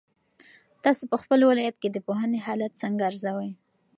تاسو په خپل ولایت کې د پوهنې حالت څنګه ارزوئ؟